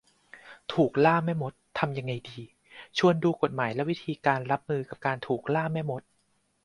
ถูกล่าแม่มด ทำยังไงดี ? ชวนดูกฎหมายและวิธีการรับมือกับการถูกล่าแม่มด